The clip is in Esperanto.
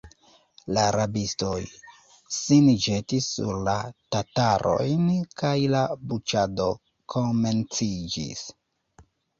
La rabistoj sin ĵetis sur la tatarojn, kaj la buĉado komenciĝis.